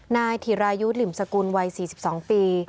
นายธิรายุทธ์หลิมสกุลวัย๔๒ปี